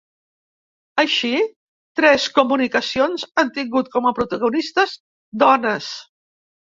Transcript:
Així, tres comunicacions han tingut com a protagonistes dones.